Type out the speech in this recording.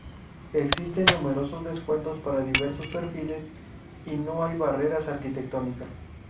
Existen numerosos descuentos para diversos perfiles y no hay barreras arquitectónicas.